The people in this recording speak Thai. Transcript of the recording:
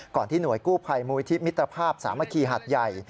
ที่หน่วยกู้ภัยมูลที่มิตรภาพสามัคคีหัดใหญ่